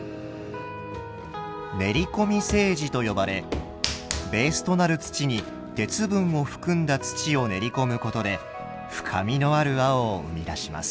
練り込み青磁と呼ばれベースとなる土に鉄分を含んだ土を練り込むことで深みのある青を生み出します。